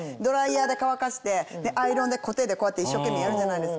アイロンでコテでこうやって一生懸命やるじゃないですか。